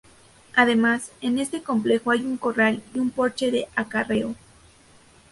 Además, en este complejo hay un corral y el porche del acarreo.